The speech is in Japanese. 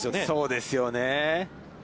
そうですよね。